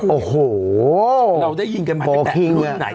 โอ้โหเราได้ยินกันมาตั้งแต่รุ่นไหนโฟล์คิงอะ